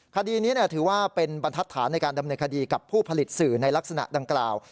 คดีนี้ถือว่าเป็นบรรทัศนในการดำเนินคดีกับผู้ผลิตสื่อในลักษณะดังกล่าว